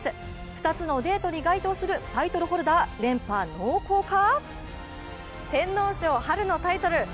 ２つのデータに該当するタイトルホルダー連覇濃厚か！？